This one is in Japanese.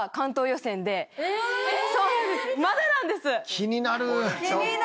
気になる！